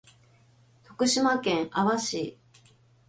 徳島県阿波市